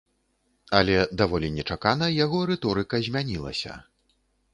Але даволі нечакана яго рыторыка змянілася.